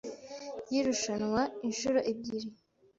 y’irushanwa inshuro ebyiri